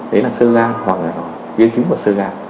đấy là sơ gan hoặc là biến chứng của sơ gan